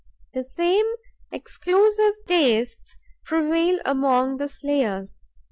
The same exclusive tastes prevail among the slayers.